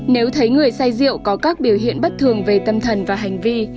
nếu thấy người say rượu có các biểu hiện bất thường về tâm thần và hành vi